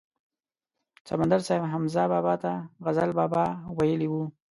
سمندر صاحب حمزه بابا ته غزل بابا ویلی و.